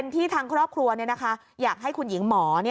ที่ทางครอบครัวอยากให้คุณหญิงหมอ